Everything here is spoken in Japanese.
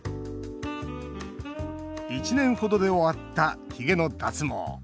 １年程で終わった、ひげの脱毛。